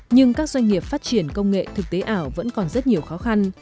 nhưng các doanh nghiệp phát triển công nghệ thực tế ảo vẫn còn rất nhiều khó khăn